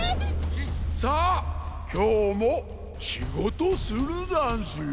さあきょうもしごとするざんすよ！